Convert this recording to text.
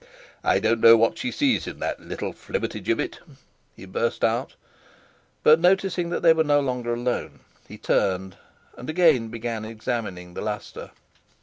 "I don't know what she sees in that little flibbertigibbet," he burst out, but noticing that they were no longer alone, he turned and again began examining the lustre.